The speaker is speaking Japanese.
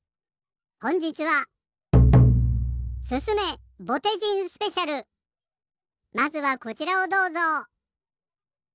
ほんじつはまずはこちらをどうぞ。